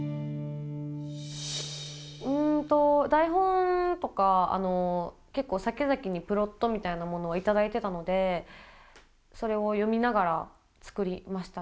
うんと台本とか結構さきざきにプロットみたいなものは頂いてたのでそれを読みながら作りましたね。